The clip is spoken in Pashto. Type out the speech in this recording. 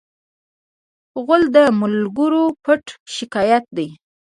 غول د ملګرو پټ شکایت دی.